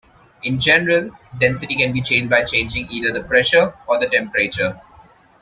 In general, density can be changed by changing either the pressure or the temperature.